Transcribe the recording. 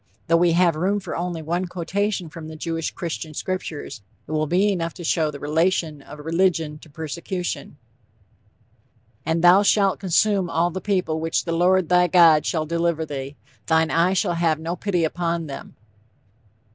Though we have room for only one quotation from the Jewish Christian Scriptures, it will be enough to show the relation of religion to persecution: "And thou shalt consume all the people which the Lord, thy God, shall deliver thee; thine eye shall have no pity upon them."